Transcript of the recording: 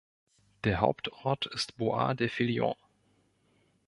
Der Hauptort ist Bois-des-Filion.